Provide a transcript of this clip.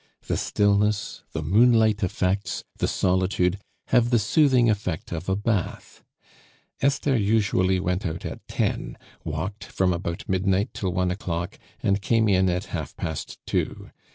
The stillness, the moonlight effects, the solitude, have the soothing effect of a bath. Esther usually went out at ten, walked about from midnight till one o'clock, and came in at half past two.